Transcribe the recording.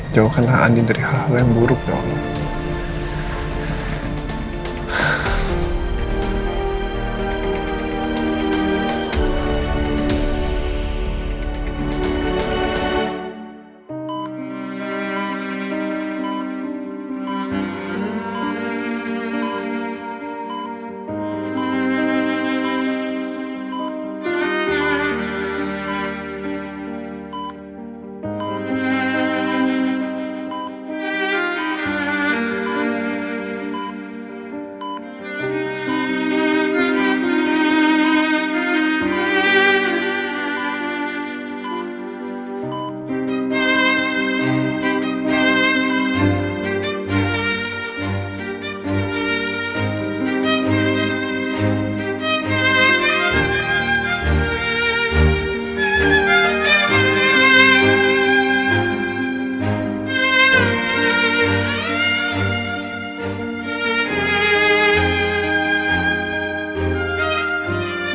jauh kena anin dari hal hal yang buruk ya allah